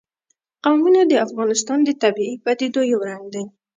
قومونه د افغانستان د طبیعي پدیدو یو رنګ دی.